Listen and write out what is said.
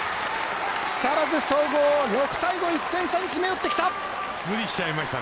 木更津総合、６対５１点差に詰め寄ってきた！